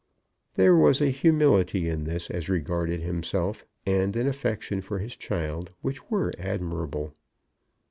There was a humility in this as regarded himself and an affection for his child which were admirable.